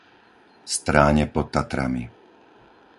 Stráne pod Tatrami